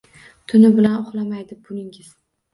Tuni bilan uxlamaydi buningiz